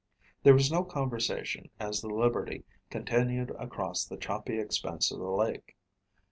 There was no conversation as the Liberty continued across the choppy expanse of the lake.